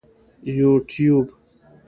یوټیوب